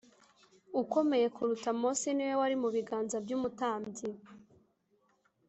ukomeye kuruta Mose ni We wari mu biganza by’umutambyi